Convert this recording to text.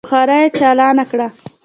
بخارۍ چالانده کړه.